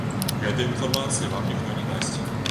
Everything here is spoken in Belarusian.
Гэтай інфармацыі вам ніхто не дасць.